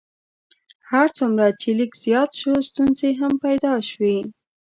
هر څومره چې لیک زیات شو ستونزې هم پیدا شوې.